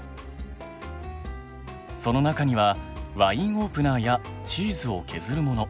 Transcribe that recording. その中にはワインオープナーやチーズを削るもの